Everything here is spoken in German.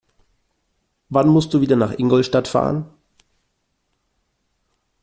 Wann musst du wieder nach Ingolstadt fahren?